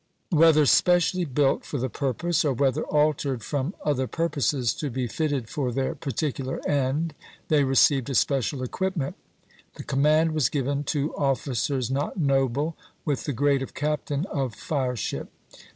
"Whether specially built for the purpose, or whether altered from other purposes to be fitted for their particular end, they received a special equipment. The command was given to officers not noble, with the grade of captain of fire ship.